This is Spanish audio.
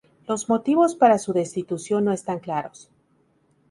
Los motivos para su destitución no están claros.